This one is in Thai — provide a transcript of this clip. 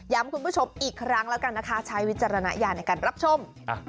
คุณผู้ชมอีกครั้งแล้วกันนะคะใช้วิจารณญาณในการรับชม